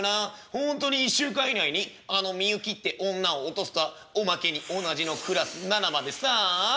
ほんとに１週間以内にあのみゆきって女を落とすとはおまけに同じのクラスナナまでさあ」。